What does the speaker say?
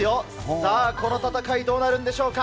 さあ、この戦い、どうなるんでしょうか。